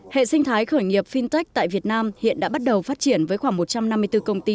hệ sinh thái khởi nghiệp fintech tại việt nam hiện đã bắt đầu phát triển với khoảng một trăm năm mươi bốn công ty